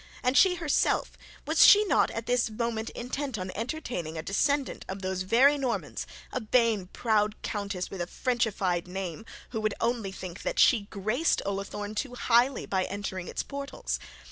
And she herself, was not she at this moment intent on entertaining a descendant of those very Normand, a vain proud countess with a frenchified name, who would only think that she graced Ullathorne too highly by entering its portals?